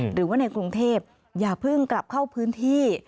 หรือว่าในกรุงเทพอย่าเพิ่งกลับเข้าพื้นที่